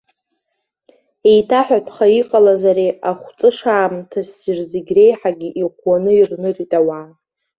Еиҭаҳәатәха иҟалаз ари ахәҵыш аамҭа ссир зегь реиҳагьы иӷәӷәаны ирнырит ауаа.